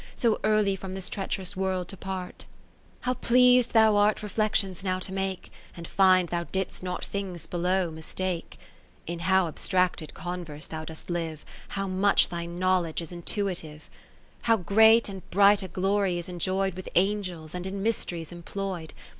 So early from this treach'rous World to part ; How pleas'd thou art reflections now to make, And find thou didst not things below mistake ; 40 In how abstracted converse thou dost live, How much thy knowledge is intui tive ; How great and bright a glory is en joy'd With Angels, and in mysteries, employ'd.